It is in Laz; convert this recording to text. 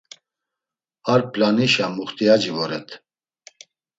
Ar p̌lanişa muxtiyaci voret.